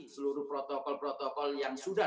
seluruh protokol protokol yang sudah